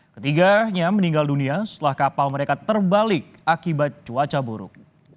ketiganya meninggal dunia setelah kapal mereka terbalik akibat cuaca buruk